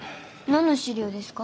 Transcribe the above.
何の資料ですか？